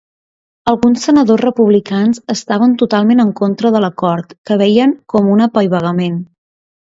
Alguns senadors republicans estaven totalment en contra de l'acord, que veien com un apaivagament.